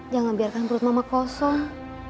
jangan biarkan perut mama kosong